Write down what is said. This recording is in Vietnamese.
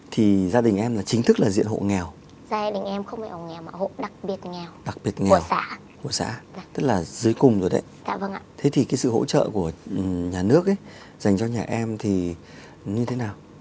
thì xây tạm cái chuồng trợ chạy ở nhà đi